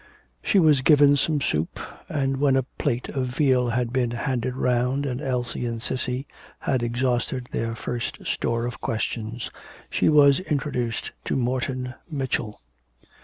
She was given some soup, and when the plate of veal had been handed round, and Elsie and Cissy had exhausted their first store of questions, she was introduced to Morton Mitchell.